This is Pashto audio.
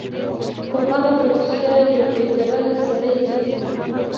خو هغه په رښتیا یو بې ضرره سړی دی